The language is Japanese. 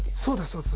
そうです